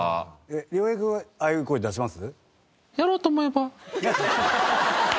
亮平君はああいう声出せます？